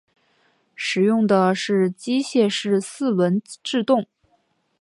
使用的是机械式四轮制动。